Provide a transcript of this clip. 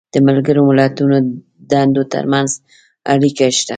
د ملګرو ملتونو د دندو تر منځ اړیکه شته.